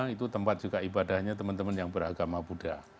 itu tempat juga ibadahnya teman teman yang beragama buddha